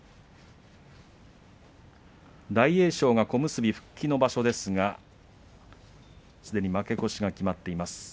大栄翔が小結復帰の場所ですがすでに負け越しが決まっています。